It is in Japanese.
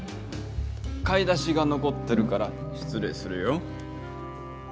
買い出しがのこってるからしつ礼するよ。